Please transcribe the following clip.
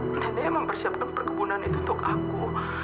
nenek mempersiapkan perkebunan itu untuk aku